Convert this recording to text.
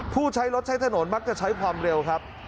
ผู้ใช้รถใช้ถนนมักจะใช้ความเร็วครับ